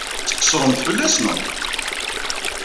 Ad tqeṣṣremt fell-as, naɣ?